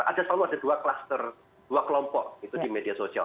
ada selalu ada dua kluster dua kelompok itu di media sosial